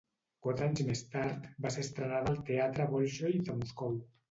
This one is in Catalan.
Quatre anys més tard, va ser estrenada al Teatre Bolxoi de Moscou.